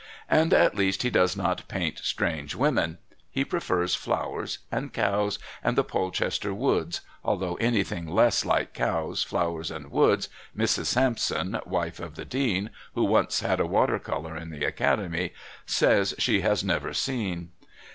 And at least he does not paint strange women; he prefers flowers and cows and the Polchester woods, although anything less like cows, flowers and woods, Mrs. Sampson, wife of the Dean, who once had a water colour in the Academy, says she has never seen.